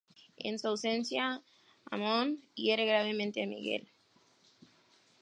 En su ausencia, Amón hiere gravemente a Miguel.